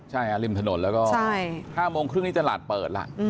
ใช่ค่ะริมถนนแล้วก็๕โมงครึ่งนี้ตลาดเปิดแล้ว